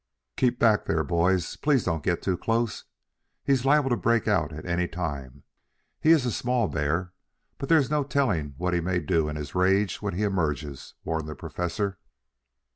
"Keep back there, boys. Please don't get too close. He is liable to break out at any time. He is a small bear, but there is no telling what he may do in his rage when he emerges," warned the Professor.